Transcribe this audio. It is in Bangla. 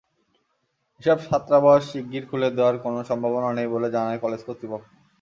এসব ছাত্রাবাস শিগগির খুলে দেওয়ার কোনো সম্ভাবনা নেই বলে জানায় কলেজ কর্তৃপক্ষ।